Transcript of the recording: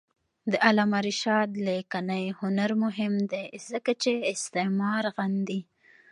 د علامه رشاد لیکنی هنر مهم دی ځکه چې استعمار غندي.